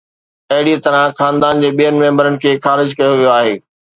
اهڙيء طرح خاندان جي ٻين ميمبرن کي خارج ڪيو ويو آهي.